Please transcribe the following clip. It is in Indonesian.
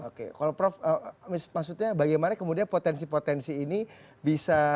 oke kalau prof maksudnya bagaimana kemudian potensi potensi ini bisa